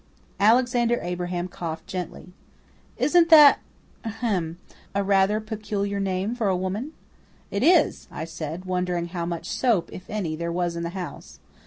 Alexander Abraham coughed gently. "Isn't that ahem! rather a peculiar name for a woman?" "It is," I said, wondering how much soap, if any, there was in the house.